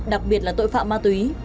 đặc biệt là tội phạm ma túy